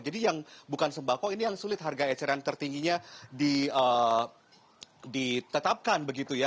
jadi yang bukan sembako ini yang sulit harga eceran tertingginya ditetapkan begitu ya